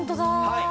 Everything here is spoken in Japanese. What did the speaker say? はい。